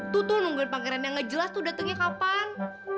tuh tuh nungguin pangeran yang gak jelas tuh datengnya kapan